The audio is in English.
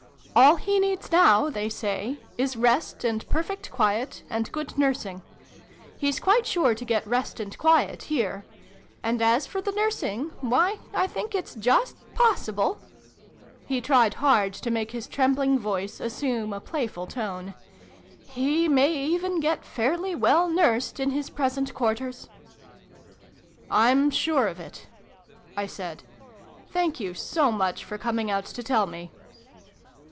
All he needs now, they say, is rest, and perfect quiet, and good nursing. He's quite sure to get rest and quiet, here : and, as for the nursing why, I think it's \\&\. possible " (he tried hard to make his trembling voice assume a playful tone) " he may even get fairly well nursed, in his present quarters !" "I'm sure of it!" I said. "Thank you so much for coming out to tell me